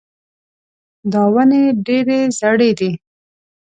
دا ونې ډېرې زاړې دي.